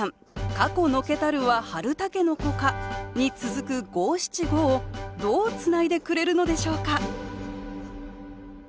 「過去退けたるは春筍か」に続く五七五をどうつないでくれるのでしょうか？